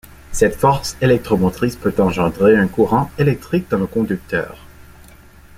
Cette force électromotrice peut engendrer un courant électrique dans le conducteur.